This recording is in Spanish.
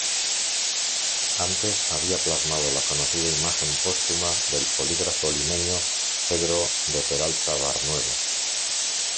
Antes había plasmado la conocida imagen póstuma del polígrafo limeño Pedro de Peralta Barnuevo.